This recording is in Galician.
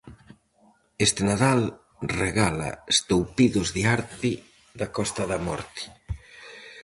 Este Nadal, regala estoupidos de arte da Costa da Morte.